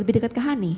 lebih dekat ke hani